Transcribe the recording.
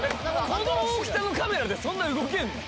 この大きさのカメラでそんな動けんの？